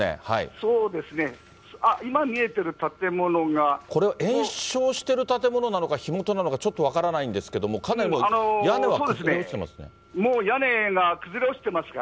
そうですね、あっ、これは延焼している建物なのか、火元なのか、ちょっと分からないんですけれども、かなり屋根は崩れ落ちてますね。